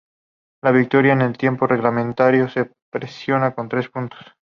La victoria en el tiempo reglamentario se premia con tres puntos.